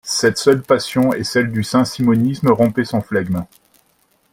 Cette seule passion et celle du saint-simonisme rompaient son flegme.